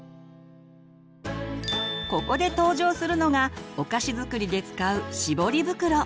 ここで登場するのがお菓子作りで使う絞り袋。